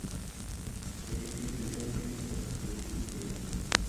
এর একটি Twitter feed এবং ফেসবুক পেজ আছে।